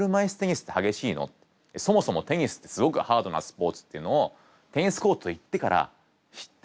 そもそもテニスってすごくハードなスポーツっていうのをテニスコート行ってから知って。